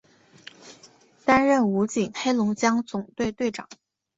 担任武警黑龙江总队队长。